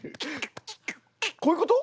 こういうこと？